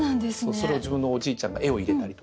それを自分のおじいちゃんが絵を入れたりとか。